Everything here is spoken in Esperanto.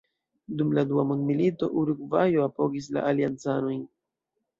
Dum la dua mondmilito, Urugvajo apogis la aliancanojn.